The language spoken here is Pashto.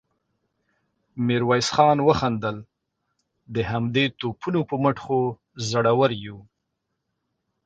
ميرويس خان وخندل: د همدې توپونو په مټ خو زړور يو.